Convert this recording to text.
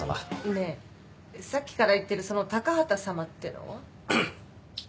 ねぇさっきから言ってるその「高畑様」ってのは？